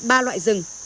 có ba loại rừng